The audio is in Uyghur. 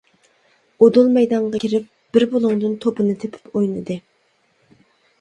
ئۇدۇل مەيدانغا كىرىپ بىر بۇلۇڭدىن توپنى تېپىپ ئوينىدى.